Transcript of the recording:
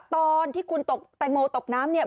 ตอนที่คุณตกแตงโมตกน้ำเนี่ย